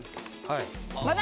はい。